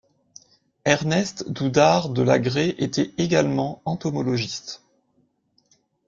Ernest Doudart de Lagrée était également entomologiste.